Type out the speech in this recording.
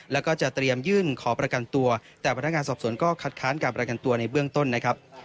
แล้วก็จะเตรียมยื่นขอประกันตัวแต่พนักงานสอบสวนก็คัดค้านการประกันตัวในเบื้องต้นนะครับ